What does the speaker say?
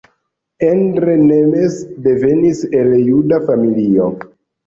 Endre Nemes devenis el juda familio.